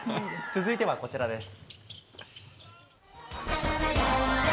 続いてはこちらです。